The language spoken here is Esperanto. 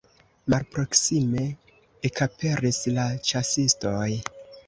Malproksime ekaperis la ĉasistoj.